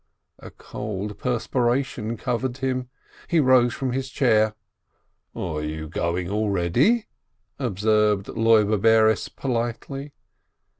A cold perspiration covered him. He rose from his chair. "You are going already?" observed Loibe Bares, politely.